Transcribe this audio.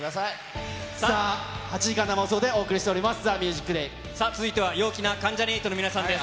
さあ、８時間生放送でお送りしております、ＴＨＥＭＵＳＩＣ続いては陽気な関ジャニ∞の皆さんです。